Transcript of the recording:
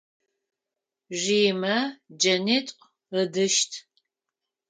Римэ джэнитӏу ыдыщт.